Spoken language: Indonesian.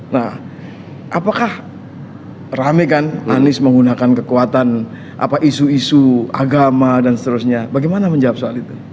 nah apakah rame kan anies menggunakan kekuatan isu isu agama dan seterusnya bagaimana menjawab soal itu